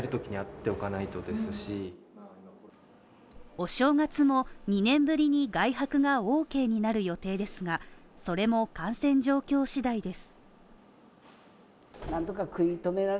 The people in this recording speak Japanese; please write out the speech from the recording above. お正月も２年ぶりに外泊がＯＫになる予定ですが、それも感染状況次第です。